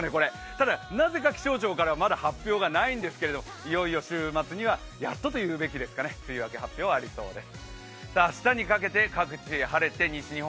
ただ、なぜか気象庁からはまだ発表がないんですけどいよいよ週末にはやっとと言うべきですかね、梅雨明け発表、ありそうです。